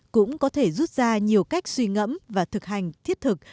cũng có thể rút ra nhiều cách suy ngẫm và thực hành thiết thực